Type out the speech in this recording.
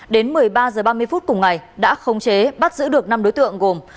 đến một mươi ba h ba mươi phút cùng ngày đã khống chế bắt giữ được năm đối tượng gồm